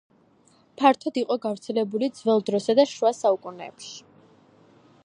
ფართოდ იყო გავრცელებული ძველ დროსა და შუა საუკუნეებში.